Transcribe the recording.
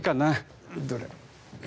どれ？